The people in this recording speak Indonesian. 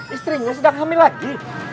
istrinya sedang hamil lagi